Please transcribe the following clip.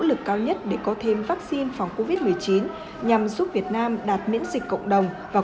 lực cao nhất để có thêm vắc xin phòng covid một mươi chín nhằm giúp việt nam đạt miễn dịch cộng đồng vào